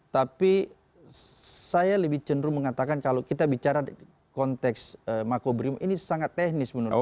tapi saya lebih cenderung mengatakan kalau kita bicara konteks makobrimo ini sangat teknis menurut saya